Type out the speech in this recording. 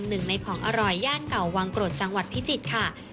หนึ่งในของอร่อยย่านเก่าวังกรดจังหวัดพิจิตรค่ะ